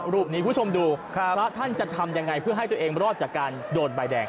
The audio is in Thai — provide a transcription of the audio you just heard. รูปนี้คุณผู้ชมดูพระท่านจะทำยังไงเพื่อให้ตัวเองรอดจากการโดนใบแดง